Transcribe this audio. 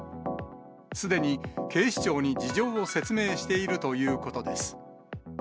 すでに警視庁に事情を説明しているということです。